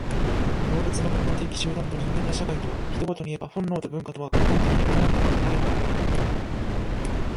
動物の本能的集団と人間の社会とは、一言にいえば本能と文化とは根本的に異なったものでなければならない。